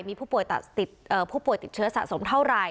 มีผู้ป่วยติดเชื้อสะสมเท่าไหร่